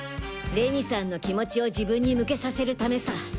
礼美さんの気持ちを自分に向けさせるためさ。